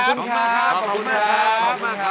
ขอบคุณมากครับ